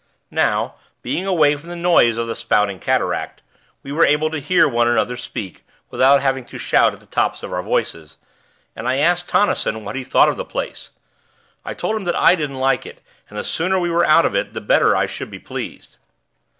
Now, being away from the noise of the spouting cataract, we were able to hear one another speak, without having to shout at the tops of our voices, and I asked Tonnison what he thought of the place I told him that I didn't like it, and that the sooner we were out of it the better I should be pleased.